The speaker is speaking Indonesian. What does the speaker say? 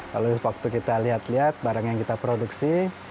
lalu waktu kita lihat lihat barang yang kita produksi